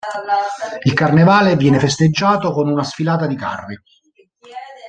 Il Carnevale viene festeggiato con una sfilata di carri.